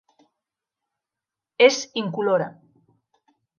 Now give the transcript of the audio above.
És incolora.